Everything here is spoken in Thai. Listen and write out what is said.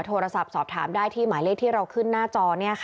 โทรศัพท์สอบถามได้ที่หมายเลขที่เราขึ้นหน้าจอ